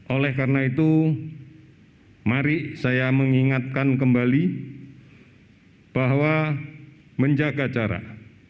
oleh karena itu mari saya mengingatkan kembali bahwa menjaga jarak